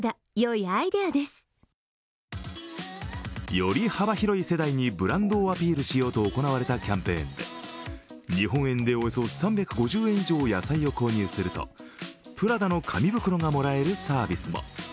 より幅広い世代にブランドをアピールしようと行われたキャンペーンで日本円でおよそ３５０円以上、野菜を購入するとプラダの紙袋がもらえるサービスも。